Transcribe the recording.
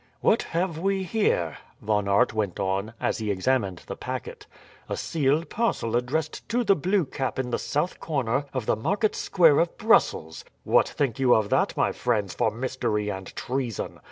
"What have we here?" Von Aert went on, as he examined the packet. "A sealed parcel addressed 'To the Blue Cap in the South Corner of the Market Square of Brussels.' What think you of that, my friends, for mystery and treason?